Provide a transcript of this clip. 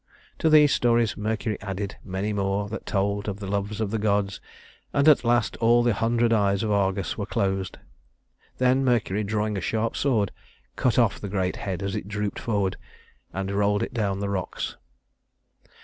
To these stories Mercury added many more that told of the loves of the gods, and at last all the hundred eyes of Argus were closed. Then Mercury, drawing a sharp sword, cut off the great head as it drooped forward, and rolled it down the rocks.